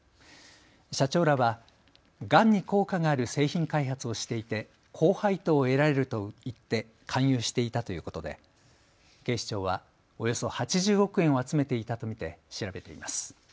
社長らは、がんに効果がある製品開発をしていて高配当を得られると言って勧誘していたということで警視庁はおよそ８０億円を集めていたと見て調べています。